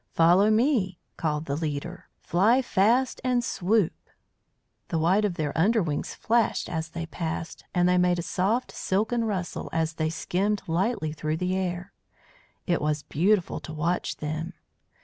"Follow me," called the leader. "Fly fast and swoop!" The white of their under wings flashed as they passed, and they made a soft, silken rustle as they skimmed lightly through the air. It was beautiful to watch them.